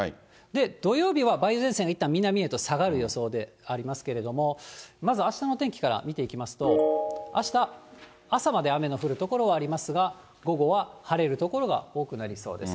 土曜日は梅雨前線はいったん南へと下がる予想でありますけれども、まずあしたの天気から見ていきますと、あした朝まで雨の降る所はありますが、午後は晴れる所が多くなりそうです。